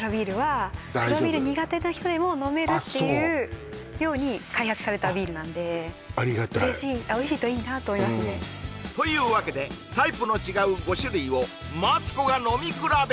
あっそう黒ビール苦手な人でも飲めるっていうように開発されたビールなんでありがたいおいしいといいなと思いますねというわけでタイプの違う５種類をマツコが飲み比べ